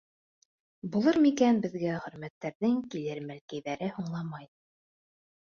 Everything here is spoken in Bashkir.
Булыр микән беҙгә хөрмәттәрҙең килер мәлкәйҙәре һуңламай?